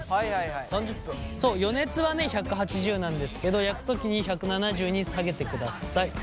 そう予熱はね１８０なんですけど焼く時に１７０に下げてください。